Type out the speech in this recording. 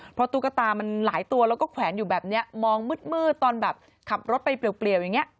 เพราะตุ๊กตามันหลายตัวแล้วก็แขวนอยู่แบบนี้มองมืดตอนแบบขับรถไปเปลี่ยวอย่างนี้